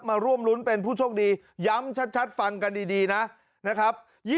มาร่วมรุ้นเป็นผู้โชคดีย้ำชัดฟังกันดีนะครับ